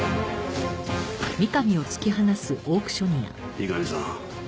三上さん